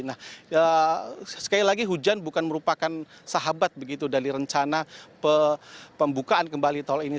nah sekali lagi hujan bukan merupakan sahabat begitu dari rencana pembukaan kembali tol ini